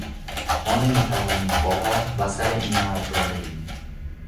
ما نمیتوانیم پاها و سر این مرد را ببینیم.